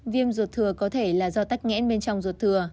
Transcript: viêm ruột thừa có thể là do tắc nghẽn bên trong ruột thừa